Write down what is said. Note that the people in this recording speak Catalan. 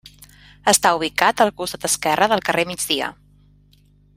Està ubicat al costat esquerre del carrer Migdia.